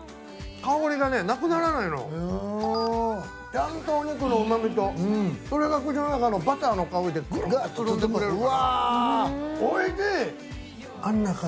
ちゃんとお肉のうま味とそれが口の中のバターの香りでグルっと包んでくれるからおいしい！